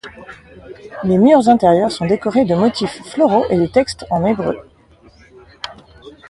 Les murs intérieurs sont décorés de motifs floraux et de textes en hébreu.